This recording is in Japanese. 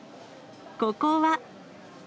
ここは。